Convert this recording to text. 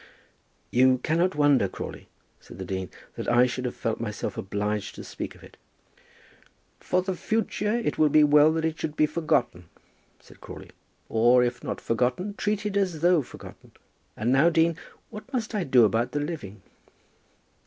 "You cannot wonder, Crawley," said the dean, "that I should have felt myself obliged to speak of it." "For the future it will be well that it should be forgotten," said Crawley; "or, if not forgotten, treated as though forgotten. And now, dean, what must I do about the living?"